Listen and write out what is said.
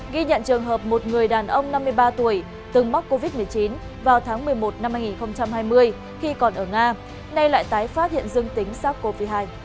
ghi nhận trường hợp một người đàn ông năm mươi ba tuổi từng mắc covid một mươi chín vào tháng một mươi một năm hai nghìn hai mươi khi còn ở nga nay lại tái phát hiện dương tính sars cov hai